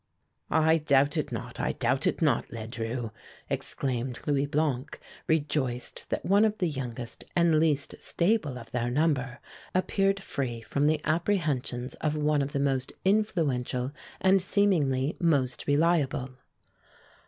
"I doubt it not, I doubt it not, Ledru!" exclaimed Louis Blanc, rejoiced that one of the youngest and least stable of their number appeared free from the apprehensions of one of the most influential and seemingly most reliable.